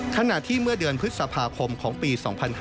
ขณะที่เมื่อเดือนพฤษภาคมของปี๒๕๕๙